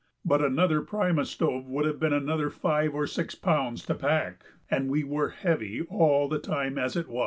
But another primus stove would have been another five or six pounds to pack, and we were "heavy" all the time as it was.